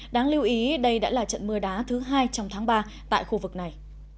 đáng lưu ý đây đã là trận mưa đá thứ hai trong tháng ba tại khu vực này